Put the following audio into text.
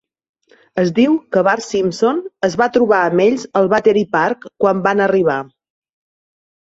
Es diu que Barsimson es va trobar amb ells al Battery Park quan van arribar.